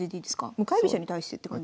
向かい飛車に対してって感じ。